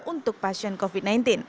untuk pasien covid sembilan belas